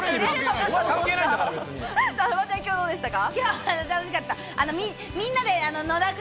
フワちゃん、きょうはどうでしたか？